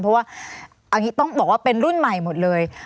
เพราะว่าต้องบอกว่าเป็นรุ่นใหม่หมดเลย